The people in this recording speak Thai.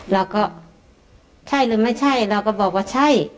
เราก็ใช่หรือไม่ใช่เราก็บอกว่าใช่